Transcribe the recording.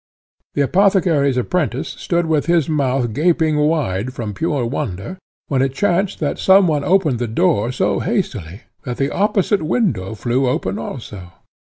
The apothecary's apprentice stood with his mouth gaping wide from pure wonder, when it chanced that some one opened the door so hastily, that the opposite window flew open also.